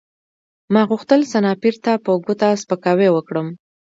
ما غوښتل سنایپر ته په ګوته سپکاوی وکړم